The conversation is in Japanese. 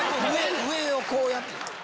上をこうやって？